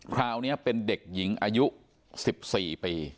คราวนี้เป็นเด็กหญิงอายุ๑๔ปี